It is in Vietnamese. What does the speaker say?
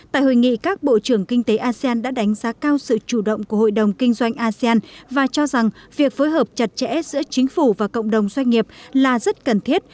tại hội nghị các bộ trưởng kinh tế asean đã đánh giá cao sự chủ động của hội đồng kinh doanh asean và cho rằng việc phối hợp chặt chẽ giữa chính phủ và cộng đồng doanh nghiệp là rất cần thiết